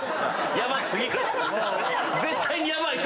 ヤバ過ぎる！